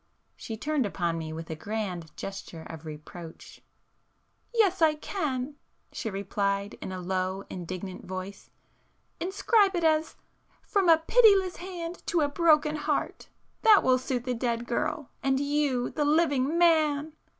She turned upon me with a grand gesture of reproach. "Yes I can!"—she replied in a low indignant voice—"Inscribe it as—'From a pitiless hand to a broken heart!' That will suit the dead girl,—and you, the living man!"